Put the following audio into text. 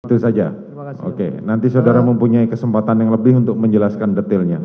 itu saja oke nanti saudara mempunyai kesempatan yang lebih untuk menjelaskan detailnya